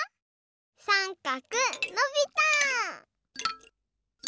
さんかくのびた！